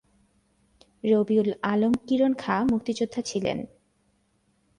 রবিউল আলম কিরণ খাঁ মুক্তিযোদ্ধা ছিলেন।